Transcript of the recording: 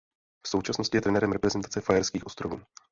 V současnosti je trenérem reprezentace Faerských ostrovů.